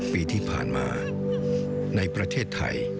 ปีที่ผ่านมาในประเทศไทย